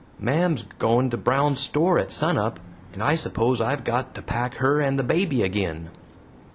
"Mam's goin' to Brown's store at sunup, and I s'pose I've got to pack her and the baby agin."